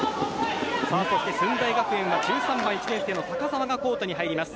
駿台学園は１３番１年生・高澤がコートに入ります。